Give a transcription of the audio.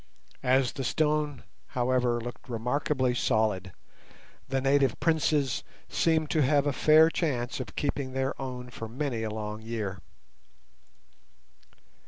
As the stone, however, looked remarkably solid, the native princes seemed to have a fair chance of keeping their own for many a long year.